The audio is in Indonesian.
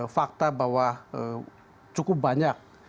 fakta bahwa cukup banyak